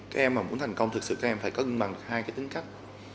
các em mà muốn thành công thực sự các em phải cân bằng hai cái tính cách